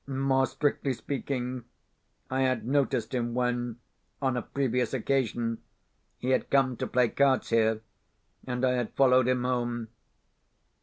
More strictly speaking, I had noticed him when, on a previous occasion, he had come to play cards here, and I had followed him home.